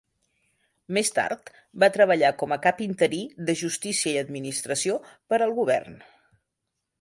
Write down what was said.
Més tard, va treballar com a cap interí de Justícia i Administració per al govern.